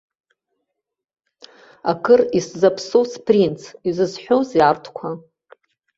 Акыр исзаԥсоу спринц, изызҳәоузеи арҭқәа?